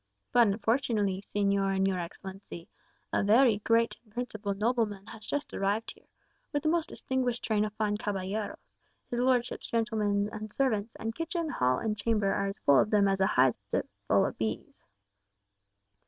"But unfortunately, señor and your Excellency, a very great and principal nobleman has just arrived here, with a most distinguished train of fine caballeros his lordship's gentlemen and servants; and kitchen, hall, and chamber are as full of them as a hive is full of bees."